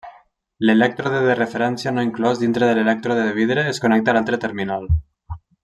L'elèctrode de referència no inclòs dintre de l'elèctrode de vidre es connecta a l'altre terminal.